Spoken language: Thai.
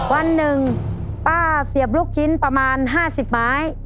วันหนึ่งป้าเสียบลูกชิ้นประมาณ๕๐ไม้